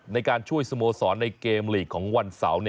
ในการช่วยสโมสรในเกมลีกของวันเสาร์